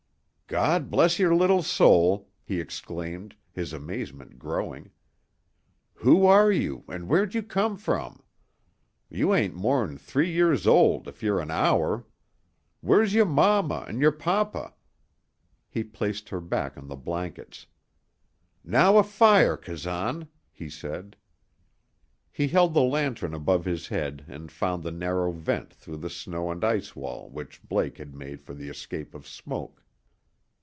"God bless your little soul!" he exclaimed, his amazement growing. "Who are you, 'n' where'd you come from? You ain't more'n three years old, if you're an hour. Where's your mama 'n' your papa?" He placed her back on the blankets. "Now, a fire, Kazan!" he said. He held the lantern above his head and found the narrow vent through the snow and ice wall which Blake had made for the escape of smoke.